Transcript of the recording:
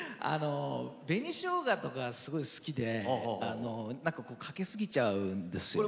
紅しょうがとかすごい好きでかけすぎちゃうんですよね。